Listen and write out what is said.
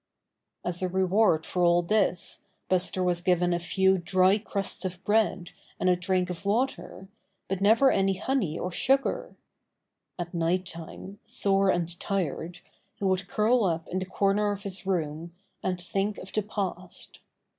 As a reward for all this Buster was given a few dry crusts of bread and a drink of water, but never any honey or sugar. At night time, sore and tired, he would curl up in the corner of his room, and think of the past.